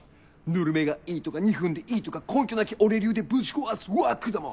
ぬるめがいいとか２分でいいとか根拠なき俺流でぶち壊すＷＡＣＫども。